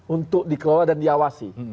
untuk dikelola dan diawasi